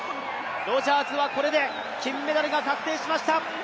ロジャーズはこれで金メダルが確定しました。